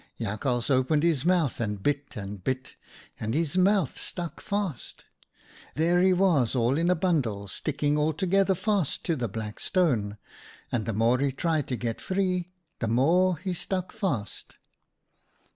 " Jakhals opened his mouth, and bit and bit, and his mouth stuck fast. There he SAVED BY HIS TAIL 105 was, all in a bundle, sticking altogether fast to the black stone, and the more he tried to get free, the more he stuck fast.